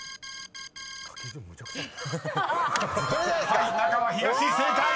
［はい中は「東」正解！］